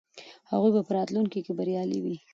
هغوی به په راتلونکي کې بریالي وي.